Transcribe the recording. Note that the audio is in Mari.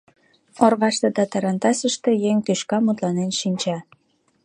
Орваште да тарантасыште еҥ тӱшка мутланен шинча.